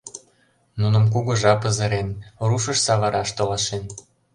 Нуным кугыжа пызырен, рушыш савыраш толашен.